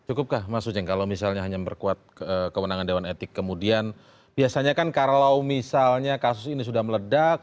cukupkah mas uceng kalau misalnya hanya memperkuat kewenangan dewan etik kemudian biasanya kan kalau misalnya kasus ini sudah meledak